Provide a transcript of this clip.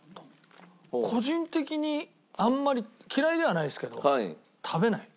個人的にあんまり嫌いではないですけど食べない。